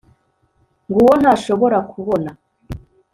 nguwo ntashobora kubona